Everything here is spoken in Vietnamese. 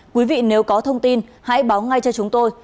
quý vị nếu có thông tin hãy báo ngay cho chúng tôi